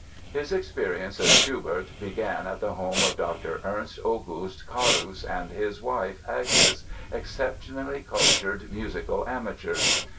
His experience of Schubert began at the home of Dr. Ernst August Carus and his wife, Agnes, exceptionally cultured musical amateurs.